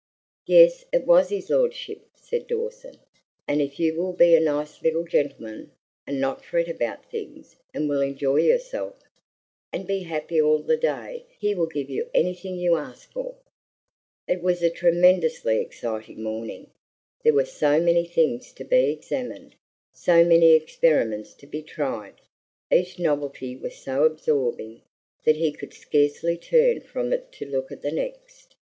"Yes, it was his lordship," said Dawson; "and if you will be a nice little gentleman, and not fret about things, and will enjoy yourself, and be happy all the day, he will give you anything you ask for." It was a tremendously exciting morning. There were so many things to be examined, so many experiments to be tried; each novelty was so absorbing that he could scarcely turn from it to look at the next.